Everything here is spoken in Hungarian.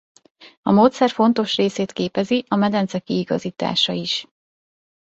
A módszer fontos részét képezi a medence kiigazítása is.